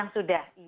yang sudah di